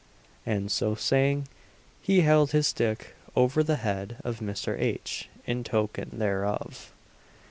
And, so saying, he held his stick over the head of Mr. H. in token thereof.